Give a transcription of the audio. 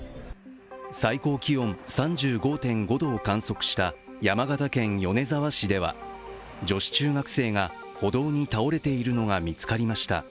最高気温３５．５度を観測した山形県米沢市では女子中学生が歩道に倒れているのが見つかりました。